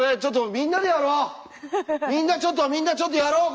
みんなちょっとみんなちょっとやろうこれ一緒に！